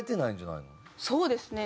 そうですね。